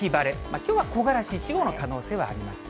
きょうは木枯らし１号の可能性はありますね。